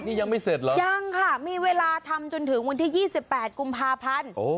นี่ยังไม่เสร็จเหรอยังค่ะมีเวลาทำจนถึงวันที่๒๘กุมภาพันธ์